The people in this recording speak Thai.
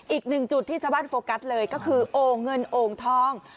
อีก๑จุดที่จะว่าโฟกัสเลยก็คือโหงเงินโอ่งทอง